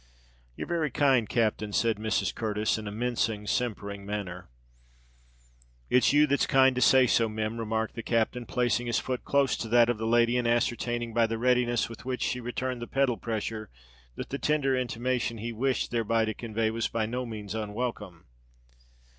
"You're very kind, captain," said Mrs. Curtis, in a mincing—simpering manner. "It's you that's kind to say so, Mim," remarked the captain, placing his foot close to that of the lady, and ascertaining by the readiness with which she returned the pedal pressure, that the tender intimation he wished thereby to convey was by no means unwelcome.